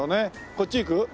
こっち行く？